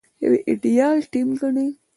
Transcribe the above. يو ايديال ټيم ګڼي.